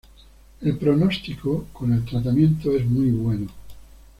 El pronóstico con el tratamiento es muy bueno.